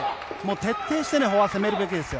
徹底してフォアを攻めるべきですよ。